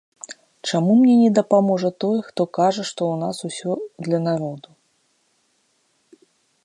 Чаму мне не дапаможа той, хто кажа, што ў нас усё для народу?